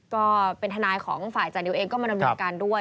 ก็เป็นทนายของฝ่ายจานิวเองก็มาดำเนินการด้วย